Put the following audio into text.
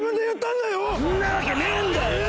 んなわけねえんだよ！